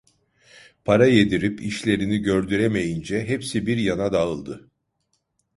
Para yedirip işlerini gördür emeyince hepsi bir yana dağıldı…